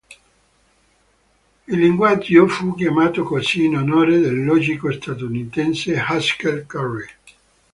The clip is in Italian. Il linguaggio fu chiamato così in onore del logico statunitense Haskell Curry.